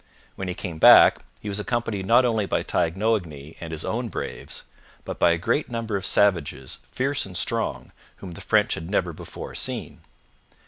When he came back, he was accompanied not only by Taignoagny and his own braves, but by a great number of savages, fierce and strong, whom the French had never before seen.